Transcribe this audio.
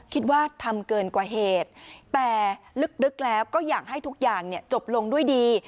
คิดว่าทำเกินกว่าเหตุแต่ลึกแล้วก็อยากให้ทุกอย่างจบลงด้วยดี